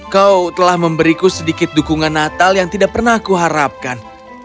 kau telah memberiku sedikit dukungan natal yang tidak pernah aku harapkan